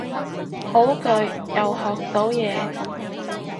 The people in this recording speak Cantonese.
好句，又學到嘢